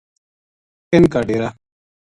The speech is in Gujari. اِنھ کا ڈیرا